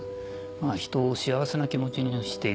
人を幸せな気持ちにしていく。